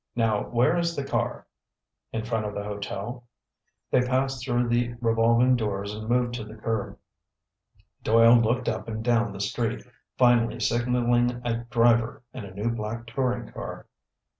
Now where is the car?" "In front of the hotel." They passed through the revolving doors and moved to the curb. Doyle looked up and down the street, finally signaling a driver in a new black touring car.